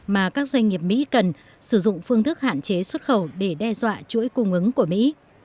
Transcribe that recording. mà các doanh nghiệp mỹ cần sử dụng phương thức hạn chế xuất khẩu để đe dọa chuỗi cung ứng của mỹ